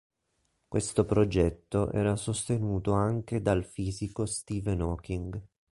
Questo progetto era sostenuto anche dal fisico Steven Hawking.